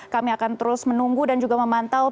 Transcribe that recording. kami akan terus menunggu dan juga memantau